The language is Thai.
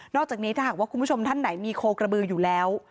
อกจากนี้ถ้าหากว่าคุณผู้ชมท่านไหนมีโคกระบืออยู่แล้ว